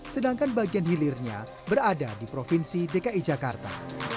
sedangkan bagian hilirnya berada di provinsi dki jakarta